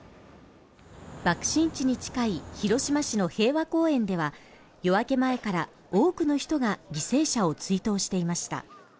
爆心地に近い広島市の平和公園では夜明け前から多くの人が犠牲者を追悼していました。